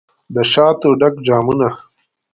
دشاتو ډک جامونه